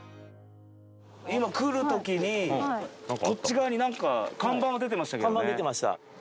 今来る時にこっち側になんか看板は出てましたけどね。